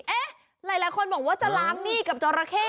หลายคนบอกว่าจะล้างหนี้กับจอราเข้